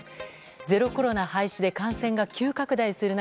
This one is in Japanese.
ゼロコロナ廃止で感染が急拡大する中